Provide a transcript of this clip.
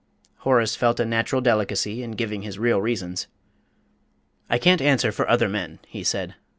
Horace felt a natural delicacy in giving his real reasons. "I can't answer for other men," he said.